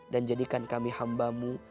dan jadikan kami hambamu